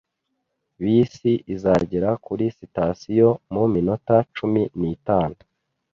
Bisi izagera kuri sitasiyo mu minota cumi n'itanu.